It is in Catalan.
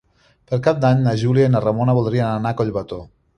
Per Cap d'Any na Júlia i na Ramona voldrien anar a Collbató.